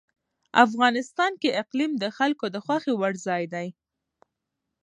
افغانستان کې اقلیم د خلکو د خوښې وړ ځای دی.